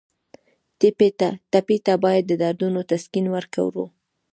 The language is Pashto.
ټپي ته باید د دردونو تسکین ورکړو.